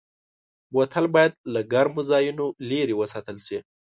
بوتل باید له ګرمو ځایونو لېرې وساتل شي.